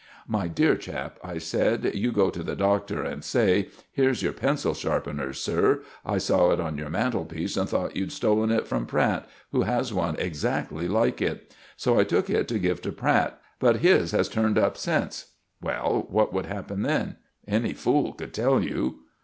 "My dear chap," I said, "you go to the Doctor and say, 'Here's your pencil sharpener, sir; I saw it on your mantelpiece and thought you'd stolen it from Pratt, who has one exactly like it. So I took it to give to Pratt, but his has turned up since.' Well, what would happen then? Any fool could tell you."